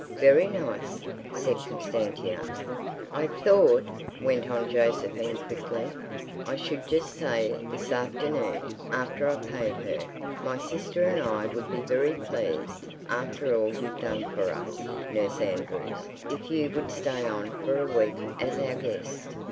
"Very nice," said Constantia. "I thought," went on Josephine quickly, "I should just say this afternoon, after I've paid her, 'My sister and I would be very pleased, after all you've done for us, Nurse Andrews, if you would stay on for a week as our guest.